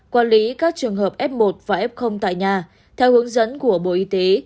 quản lý các trường hợp f một và f tại nhà theo hướng dẫn của bộ y tế